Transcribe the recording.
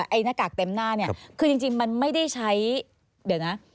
หน้ากากเต็มหน้าเนี่ยคือจริงมันไม่ได้ใช้เดี๋ยวนะ